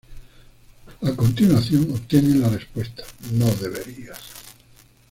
A continuación, obtienen la respuesta: "No deberías!